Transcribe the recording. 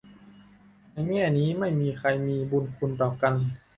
ในแง่นี้ไม่มีใครมี "บุญคุณ" ต่อกัน